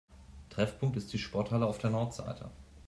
Treffpunkt ist die Sporthalle auf der Nordseite.